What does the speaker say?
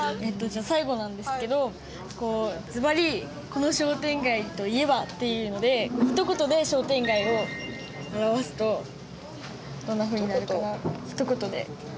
えっとじゃあ最後なんですけどずばり「この商店街といえば」っていうのでひと言で商店街を表すとどんなふうになるかひと言で。